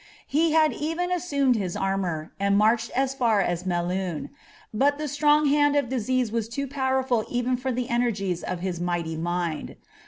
He had even assinned his armour, and marched as far U Melun ; bill the strong hand of disease was too powerful even for the energies of his mighty mind.